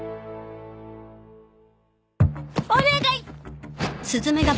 お願い